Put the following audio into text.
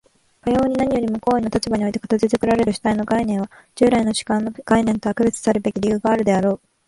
かように何よりも行為の立場において形作られる主体の概念は、従来の主観の概念とは区別さるべき理由があるであろう。